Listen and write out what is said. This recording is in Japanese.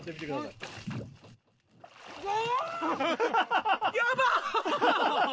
うわ！